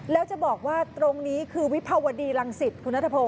แล้วจะบอกว่าตรงนี้คือวิภาวดีรังสิตคุณนัทพงศ